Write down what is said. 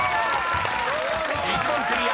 ［１問クリア！